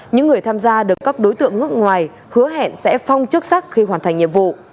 những người tham gia được các đối tượng nước ngoài hứa hẹn sẽ phong chức sắc khi hoàn thành nhiệm vụ